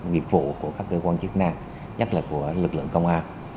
nghiệp vụ của các cơ quan chức năng nhất là của lực lượng công an